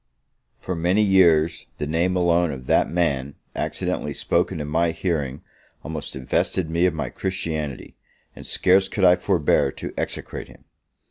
For many years, the name alone of that man, accidentally spoken in my hearing, almost divested me of my Christianity, and scarce could I forbear to execrate him.